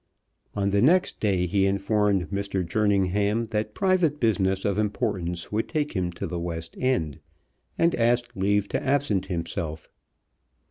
On the next day he informed Mr. Jerningham that private business of importance would take him to the West End, and asked leave to absent himself.